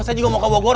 saya juga mau ke bogor